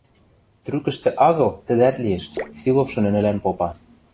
– Трӱкӹштӹ агыл, тӹдӓт лиэш, – Силовшы нӹнӹлӓн попа.